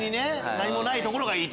何もないところがいい。